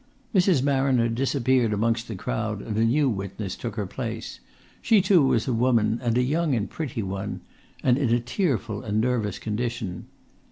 Mrs. Marriner disappeared amongst the crowd, and a new witness took her place. She, too, was a woman, and a young and pretty one and in a tearful and nervous condition.